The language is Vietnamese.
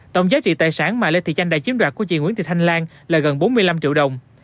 tổng giá trị tài sản mà lê thị chanh đã chiếm đoạt của chị nguyễn thị thanh lan là gần bốn mươi năm triệu đồng